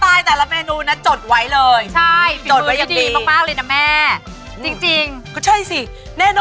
สายตู้อับข้าวไม่ให้ใครกิน